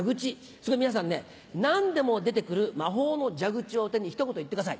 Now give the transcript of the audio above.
そこで皆さんね何でも出てくる魔法の蛇口を手にひと言言ってください。